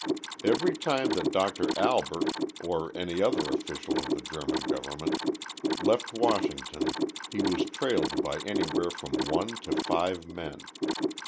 Every time that Doctor Albert, or any other official of the German government, left Washington he was trailed by anywhere from one to five men.